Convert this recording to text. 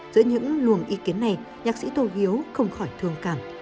giữa những luồng ý kiến này nhạc sĩ tô hiếu không khỏi thương cảm